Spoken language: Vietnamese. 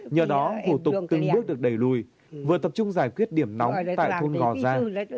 nhờ đó hủ tục từng bước được đẩy lùi vừa tập trung giải quyết điểm nóng tại thôn gò gia